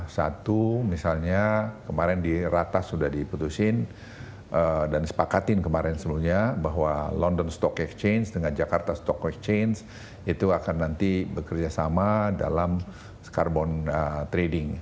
satu misalnya kemarin di ratas sudah diputusin dan sepakatin kemarin seluruhnya bahwa london stock exchange dengan jakarta stock exchange itu akan nanti bekerja sama dalam carbon trading